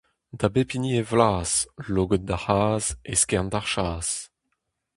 Da bep hini e vlaz, logod d'ar c'hazh, eskern d'ar chas.